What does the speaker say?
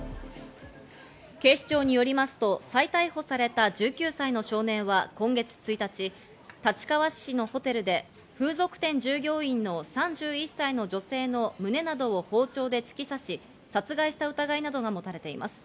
警視庁によりますと再逮捕された１９歳の少年は今月１日、立川市のホテルで風俗店従業員の３１歳の女性の胸などを包丁で突き刺し、殺害した疑いなどが持たれています。